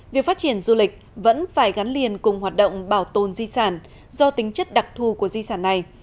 việc phát triển du lịch vẫn phải gắn liền cùng hoạt động bảo tồn di sản do tính chất đặc thù của di sản này